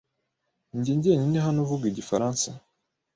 Ninjye wenyine hano uvuga igifaransa?